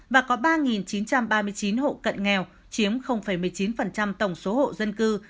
và có ba chín trăm ba mươi chín hộ cận nghèo chiếm một mươi chín tổng số hộ dân cư